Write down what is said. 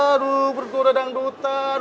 aduh berturut turut dangdutan